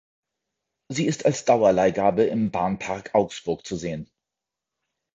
Sie ist als Dauerleihgabe im Bahnpark Augsburg zu sehen.